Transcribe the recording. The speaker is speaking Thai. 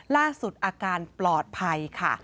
ล่าสุดอาการปลอดภัยค่ะ